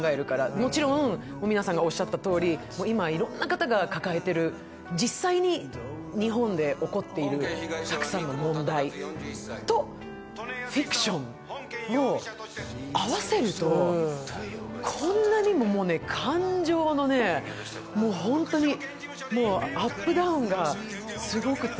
もちろん皆さんがおっしゃったとおり、今、いろんな方が抱えている、実際に日本で起こっているたくさんの問題とフィクションを合わせると、こんなにも感情のもうアップダウンがすごくて。